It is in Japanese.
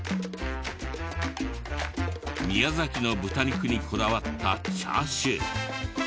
宮崎の豚肉にこだわったチャーシュー。